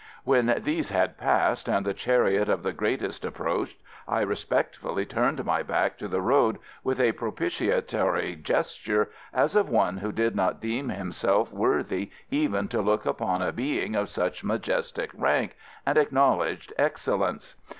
When these had passed, and the chariot of the greatest approached, I respectfully turned my back to the road with a propitiatory gesture, as of one who did not deem himself worthy even to look upon a being of such majestic rank and acknowledged excellence.